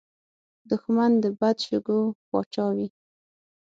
دښمن د بد شګو پاچا وي